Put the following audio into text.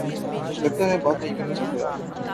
مجھے لگتا ہے بات نہیں کرنا چاہتے آپ